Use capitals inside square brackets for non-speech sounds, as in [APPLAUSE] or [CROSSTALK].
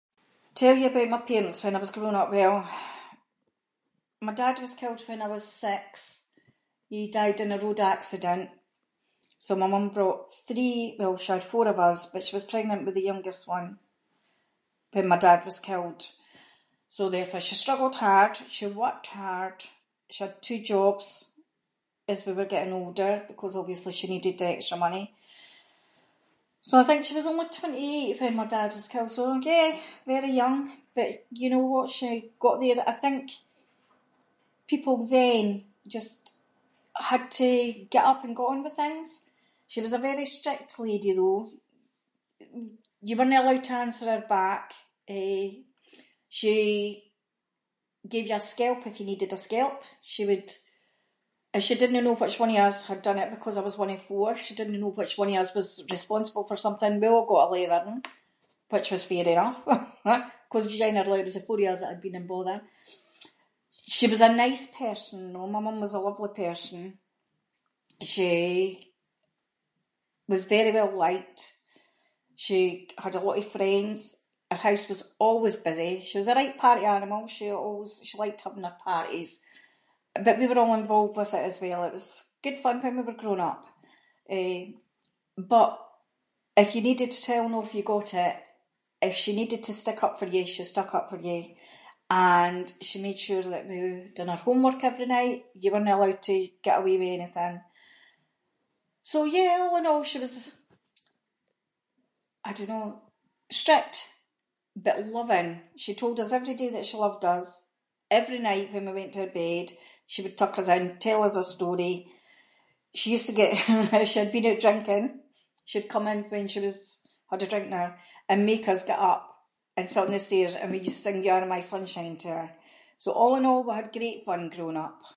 Tell you about my parents when I was growing up. Well, my dad was killed when I was six, he died in a road accident. So my mum brought three- well she had four of us, but she was pregnant with the youngest one when my dad was killed. So therefore, she struggled hard, she worked hard, she had two jobs as we were getting older, because obviously she needed the extra money. So I think she was only twenty-eight when my dad was killed, so yeah, very young, but you know what she got there- I think, people then just had to get up and get on with things. She was a very strict lady though. You werenae allowed to answer her back. Eh, she gave you a skelp if you needed a skelp. She would- if she didnae know which one of us had done it, because I was one of four, she didnae know which one of us was responsible for something, we all got a leathering, which was fair enough [LAUGHS] ‘cause [inc] it was the four of us that had been in bother. She was a nice person though, my mum was a lovely person. She was very well liked, she had a lot of friends, her house was always busy. She was a right party animal, she always- she liked having her parties, but we were all involved with it as well. It was good fun when we were growing up. Eh, but, if you needed a telling off, you got it. If she needed to stick up for you, she stuck up for you. And, she made sure that we done our homework every night. You werenae allowed to be- get away with anything. So yeah, all is all, she was- I don’t know, strict, but loving. She told us every day that she loved us, every night when we went to our bed, she would tuck us in, tell us a story. She used to get – when she had been out drinking, she’d come in when she was- had a drink in her and make us get up and sit on the stairs, and we used to sing you are my sunshine to her. So all in all, we had great fun growing up.